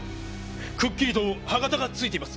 くっきりと歯形が付いています。